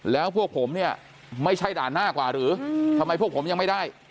แล้วพวกผมเนี่ยไม่ใช่ด่านหน้ากว่าหรือทำไมพวกผมยังไม่ได้